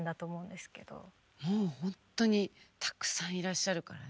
もう本当にたくさんいらっしゃるからね。